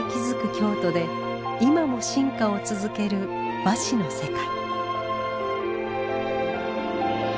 京都で今も進化を続ける和紙の世界。